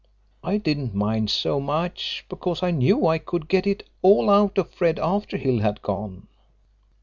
I didn't mind so much because I knew I could get it all out of Fred after Hill had gone.